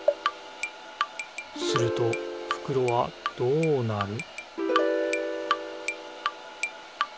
するとふくろはどうなる？